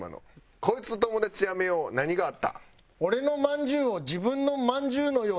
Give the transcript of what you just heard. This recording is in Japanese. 「こいつと友達やめよう何があった？」